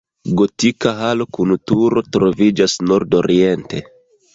Gotika halo kun turo troviĝas nordoriente.